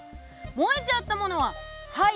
燃えちゃったものは灰。